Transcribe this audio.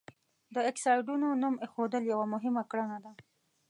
د اکسایډونو نوم ایښودل یوه مهمه کړنه ده.